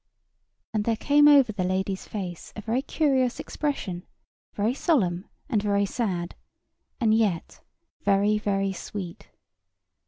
And there came over the lady's face a very curious expression—very solemn, and very sad; and yet very, very sweet.